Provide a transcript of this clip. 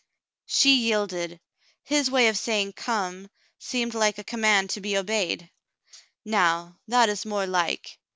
She yielded. His way of saying "Come" seemed like a command to be obeyed. "Nov/, that is more like."